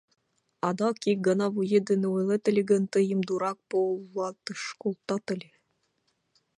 Адак ик гана вует дене ойлет ыле гын, тыйым дурак полатыш колтат ыле.